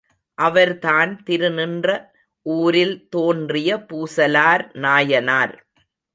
அவர்தான் திருநின்ற ஊரில் தோன்றிய பூசலார் நாயனார்.